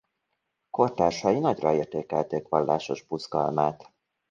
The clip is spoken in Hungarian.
Kortársai nagyra értékelték vallásos buzgalmát.